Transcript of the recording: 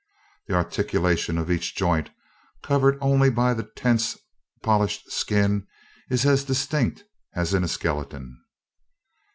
The articulation of each joint, covered only by the tense polished skin, is as distinct as in a skeleton.